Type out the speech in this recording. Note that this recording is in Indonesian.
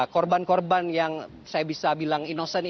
korban korban yang saya bisa bilang inosen ini juga tak mudah